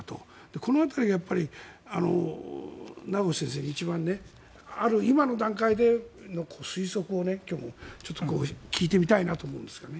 この辺り、名越先生に一番、今の段階で推測を今日も聞いてみたいなと思うんですがね。